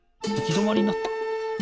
どまりになった。